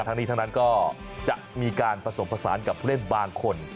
ทั้งนี้ทั้งนั้นก็จะมีการผสมผสานกับผู้เล่นบางคน